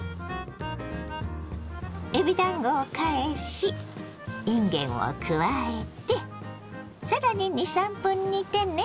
えびだんごを返しいんげんを加えて更に２３分煮てね。